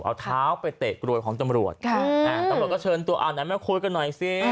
เอาเท้าไปเตะกรวยของตำรวจตำรวจก็เชิญตัวอ่าไหนมาคุยกันหน่อยสิ